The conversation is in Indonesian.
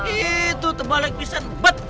itu tebalik bisa ngebet